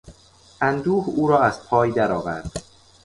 اندوه او را از پای درآورد.